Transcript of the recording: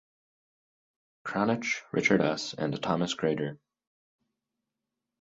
Krannich, Richard S, and Thomas Greider.